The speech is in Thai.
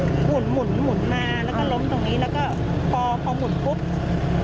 หมุนหมุนมาแล้วก็ล้มตรงนี้แล้วก็พอพอหมุนปุ๊บ